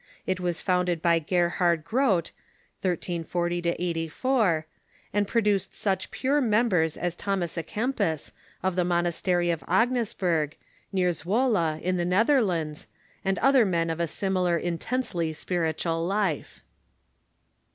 It was founded by Gerhard Groot (1340 84), and produced such pure members as Thomas a Kempis, of the monastery of Agnesburg, near ZwoUe, in the Netherlands, and other men of a similar in tensely spiritual life.